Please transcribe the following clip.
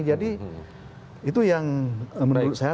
jadi itu yang menurut saya